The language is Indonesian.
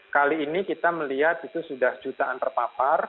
kali ini kita melihat itu sudah jutaan terpapar